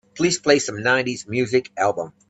Please play some nineties music album.